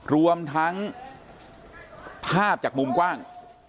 รวมทั้งภาพจากมุมกว้าง